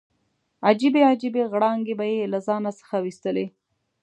عجیبې عجیبې غړانګې به یې له ځان څخه ویستلې.